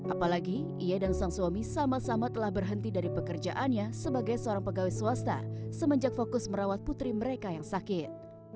apalagi ia dan sang suami sama sama telah berhenti dari pekerjaannya sebagai seorang pegawai swasta semenjak fokus merawat putri mereka yang sakit